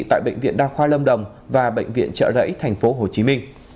tại bệnh viện đa khoa lâm đồng và bệnh viện trợ rẫy tp hcm